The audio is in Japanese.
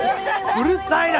うるさいな！